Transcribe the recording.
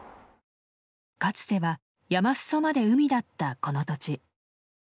かつては山裾まで海だったこの土地。